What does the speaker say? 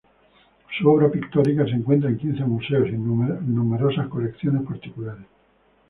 Su obra pictórica se encuentra en quince museos y en numerosas colecciones particulares.